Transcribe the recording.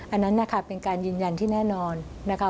อันนั้นนะคะเป็นการยืนยันที่แน่นอนนะคะ